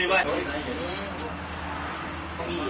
นี่ไว้ตรงนี้หรอนั่นดึงที่นี่ครับนี่ว่ะ